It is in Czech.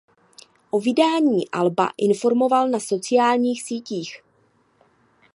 O vydání alba informoval na sociálních sítích.